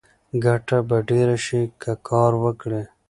ګټه به ډېره شي که کار وکړې.